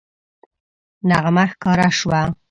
نغمه ښکاره شوه